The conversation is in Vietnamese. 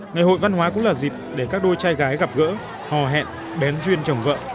ngày hội văn hóa cũng là dịp để các đôi trai gái gặp gỡ hò hẹn bén duyên chồng vợ